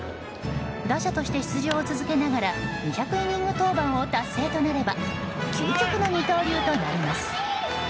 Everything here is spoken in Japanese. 打者として出場を続けながら２００イニング登板を達成となれば究極の二刀流となります。